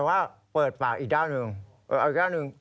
แปลว่าเปิดปากอีกด้านหนึ่ง